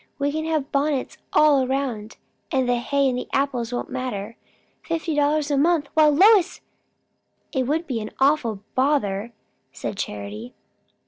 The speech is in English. "We can have bonnets all round; and the hay and the apples won't matter. Fifty dollars a month! Why, Lois! " "It would be an awful bother," said Charity.